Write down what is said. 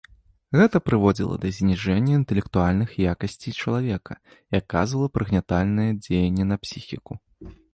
Гэта прыводзіла да зніжэння інтэлектуальных якасцей чалавека і аказвала прыгнятальнае дзеянне на псіхіку.